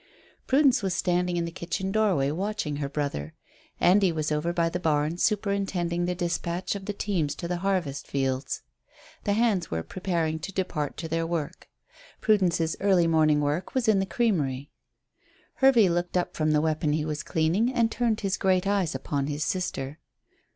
Prudence was standing in the kitchen doorway watching her brother. Andy was over by the barn superintending the dispatch of the teams to the harvest fields; the hands were preparing to depart to their work. Prudence's early morning work was in the creamery. Hervey looked up from the weapon he was cleaning, and turned his great eyes upon his sister.